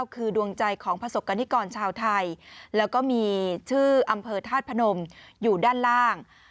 คือดวงใจของประสบกรณิกรชาวไทยแล้วก็มีชื่ออำเภอธาตุพนมอยู่ด้านล่าง